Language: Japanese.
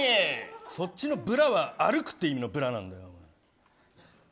そっちのブラは歩くっていう意味のブラなんだよ。